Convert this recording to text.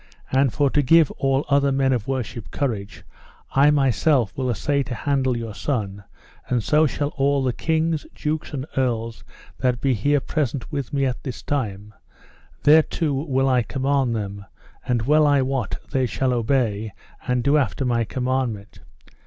And for to give all other men of worship courage, I myself will assay to handle your son, and so shall all the kings, dukes, and earls that be here present with me at this time; thereto will I command them, and well I wot they shall obey and do after my commandment.